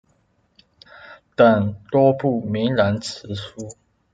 等多部名人辞书。